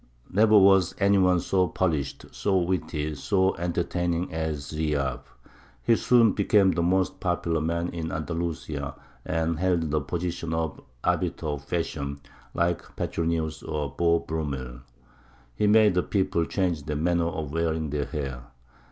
Never was any one so polished, so witty, so entertaining as Ziryāb; he soon became the most popular man in Andalusia, and held the position of arbiter of fashion, like Petronius or Beau Brummell. He made the people change their manner of wearing their hair.